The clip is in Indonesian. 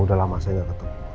udah lama saya gak ketemu